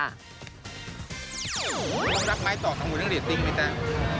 ต้องรับไม้ต่อกับหมู่เรื่องเรตติ้งไหมแต้ว